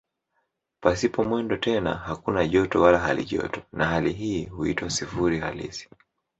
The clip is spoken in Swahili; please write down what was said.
Pasipo mwendo tena hakuna joto wala halijoto na hali hii huitwa "sifuri halisi".